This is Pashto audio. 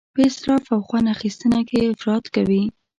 په اسراف او خوند اخیستنه کې افراط کوي.